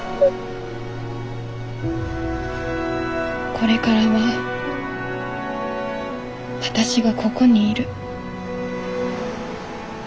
これからは私がここにいる。